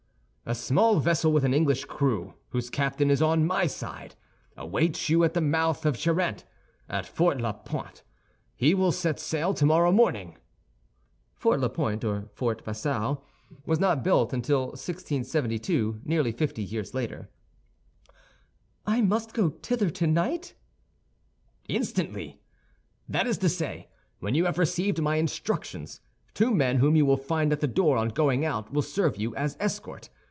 "A small vessel with an English crew, whose captain is on my side, awaits you at the mouth of Charente, at Fort La Pointe*. He will set sail tomorrow morning." * Fort La Pointe, or Fort Vasou, was not built until 1672, nearly 50 years later. "I must go thither tonight?" "Instantly! That is to say, when you have received my instructions. Two men, whom you will find at the door on going out, will serve you as escort.